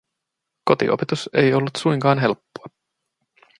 Kotiopetus ei ollut suinkaan helppoa.